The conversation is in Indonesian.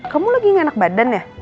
kamu lagi gak enak badan ya